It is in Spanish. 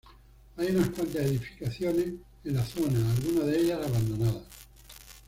Hay unas cuantas edificaciones en la zona, algunas de ellas abandonadas.